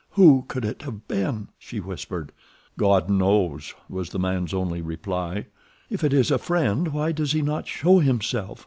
"Who could it have been?" she whispered. "God knows!" was the man's only reply. "If it is a friend, why does he not show himself?"